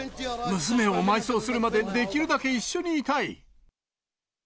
娘を埋葬するまでできるだけ一緒にいたい。